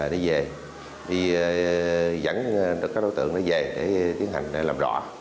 đi về dẫn đối tượng về để tiến hành làm rõ